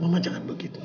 mama jangan begitu